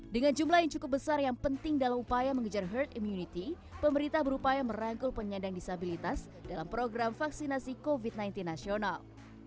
dengan jumlah yang cukup besar yang penting dalam upaya mengejar herd immunity pemerintah berupaya merangkul penyandang disabilitas dalam program vaksinasi covid sembilan belas nasional